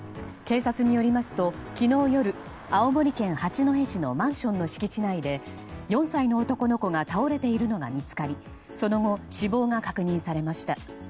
警察によりますと昨日夜青森県八戸市のマンションの敷地内で４歳の男の子が倒れているのが見つかりその後、死亡が確認されました。